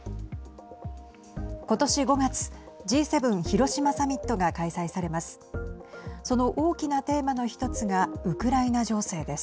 今年５月Ｇ７広島サミットが開催されます。